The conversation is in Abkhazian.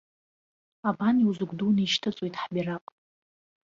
Абан иузыгәдуны ишьҭыҵуеит ҳбираҟ!